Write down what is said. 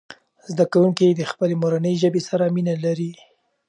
زده کوونکي د خپلې مورنۍ ژبې سره مینه لري.